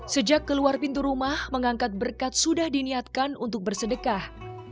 sejak keluar pintu rumah mengangkat berkat sudah diniatkan untuk bersedekah